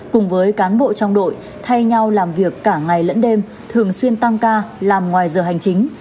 cùng với cán bộ trong đội thay nhau làm việc cả ngày lẫn đêm thường xuyên tăng ca làm ngoài giờ hành chính